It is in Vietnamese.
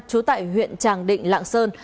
trú tại huyện tràng định lạng sơn